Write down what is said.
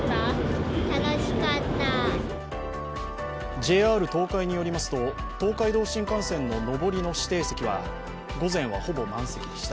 ＪＲ東海によりますと東海道新幹線の上りの指定席は午前は、ほぼ満席でした。